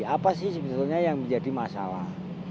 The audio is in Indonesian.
apa sih sebetulnya yang menjadi masalah